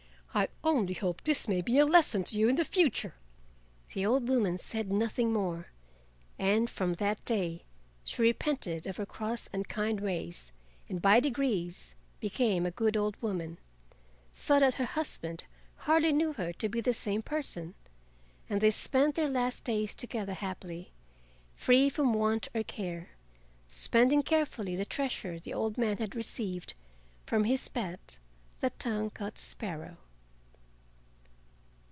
I only hope this may be a lesson to you in the future!" The old woman said nothing more, and from that day she repented of her cross, unkind ways, and by degrees became a good old woman, so that her husband hardly knew her to be the same person, and they spent their last days together happily, free from want or care, spending carefully the treasure the old man had received from his pet, the tongue cut sparrow.